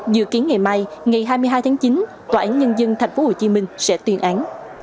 dự kiến ngày mai ngày hai mươi hai tháng chín tòa án nhân dân tp hcm sẽ tuyên án